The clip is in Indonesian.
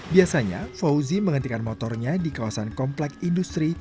biasanya fauzi menghentikan motornya di kawasan komplek industri